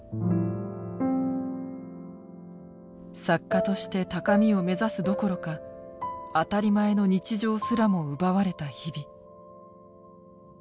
作家として高みを目指すどころか当たり前の日常すらも奪われた日々。